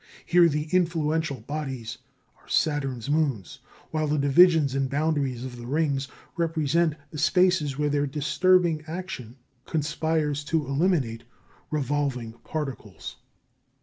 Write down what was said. Here the influential bodies are Saturn's moons, while the divisions and boundaries of the rings represent the spaces where their disturbing action conspires to eliminate revolving particles.